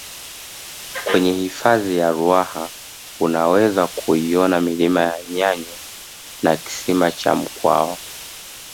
kwenye hifadhi ya ruaha unaweza kuiona milima ya nyanywa na kisima cha mkwawa